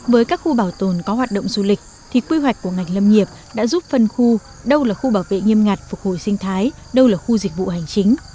với các khu bảo tồn có hoạt động du lịch thì quy hoạch của ngành lâm nghiệp đã giúp phân khu đâu là khu bảo vệ nghiêm ngặt phục hồi sinh thái đâu là khu dịch vụ hành chính